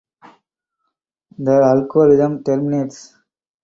The algorithm terminates.